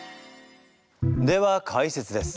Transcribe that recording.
では解説です。